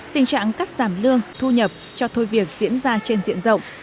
tình trạng cắt giảm lương thu nhập cho thôi việc diễn ra trên diện rộng